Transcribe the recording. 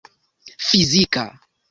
fizika